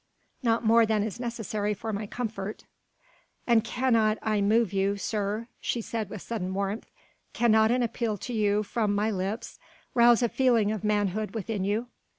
"Not more than is necessary for my comfort." "And cannot I move you, sir," she said with sudden warmth, "cannot an appeal to you from my lips rouse a feeling of manhood within you.